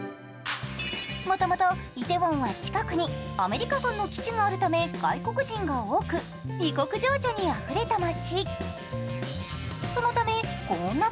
もともとイテウォンは近くにアメリカ軍の基地があるため外国人が多く異国情緒にあふれた街。